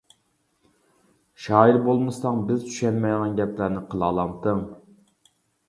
-شائىر بولمىساڭ بىز چۈشەنمەيدىغان گەپلەرنى قىلالامتىڭ.